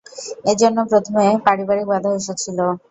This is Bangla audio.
এজন্য প্রথমে পারিবারিক বাধা এসেছিল।